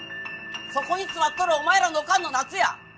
そこに座っとるお前らのおかんのナツや！